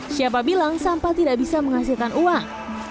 siapa bilang sampah tidak bisa menghasilkan uang